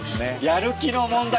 やる気の問題。